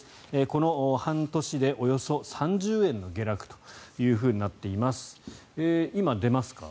この半年でおよそ３０円の下落となっています。